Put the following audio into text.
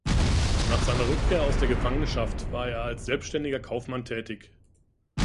Nach seiner Rückkehr aus der Gefangenschaft war er als selbständiger Kaufmann tätig.